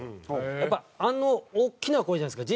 やっぱあの大きな声じゃないですか。